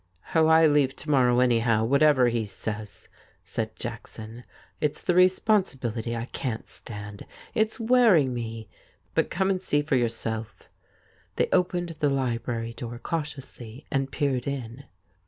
' Oh, I leave to morrow, anyhow, whatever he says,' said Jackson. ' It's the responsibility I can't stand. It's wearing me. But come and see for yourself.' They opened the library door cautiously and peered in.